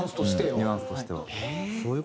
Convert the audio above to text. ニュアンスとしては。